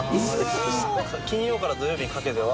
金曜から土曜日にかけては。